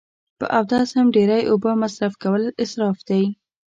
په اودس هم ډیری اوبه مصرف کول اصراف دی